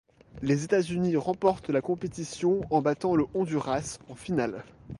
Les États-Unis remportent la compétition en battant le Honduras en finale.